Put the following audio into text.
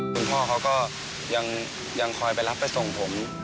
คุณพ่อเขาก็ยังคอยไปรับไปส่งผม